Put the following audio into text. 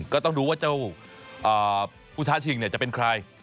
ก็ต้องดูว่าเจ้าผู้ท้าชิงจะเป็นใคร